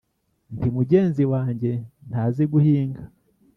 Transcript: Nti "Mugenzi wanjye ntazi guhinga,